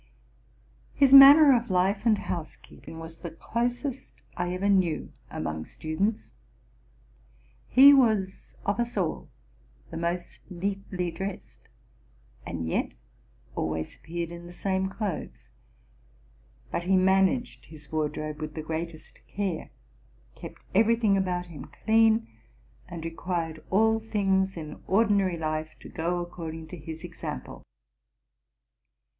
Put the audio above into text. His manner of life and housekeeping was the closest I ever knew among students. He was, of us all, the most neatly dressed, and yet always appeared in the same clothes ; but he managed his wardrobe with the greatest care, kept every thing about him clean, and required all things in ordinary life to go according to his example.